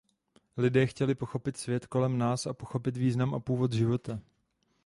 Lidé chtěli pochopit svět kolem nás a pochopit význam a původ života.